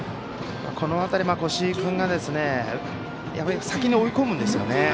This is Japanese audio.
この辺り、越井君が先に追い込むんですね。